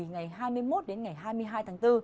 ngày hai mươi một đến ngày hai mươi hai tháng bốn